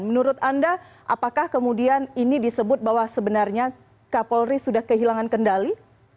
menurut anda apakah kemudian ini disebut bahwa sebenarnya kapolri sudah kehilangan kendali